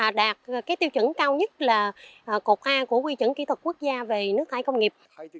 đạt cái tiêu chuẩn cao nhất là cột a của quy chuẩn kỹ thuật quốc gia về nước thải công nghiệp